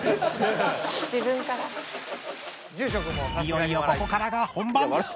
いよいよここからが本番！